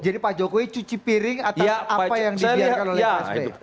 jadi pak jokowi cuci piring atau apa yang dibiarkan oleh sp